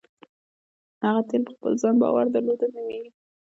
هغه تیل په خپل ځان باور درلودل نومېږي.